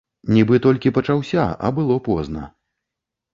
Нібы толькі пачаўся, а было позна.